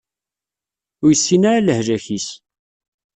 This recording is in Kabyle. Ur yessin ara lehlak-is.